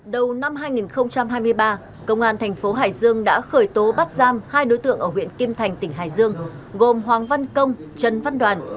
đầu năm hai nghìn hai mươi ba công an thành phố hải dương đã khởi tố bắt giam hai đối tượng ở huyện kim thành tỉnh hải dương gồm hoàng văn công trần văn đoàn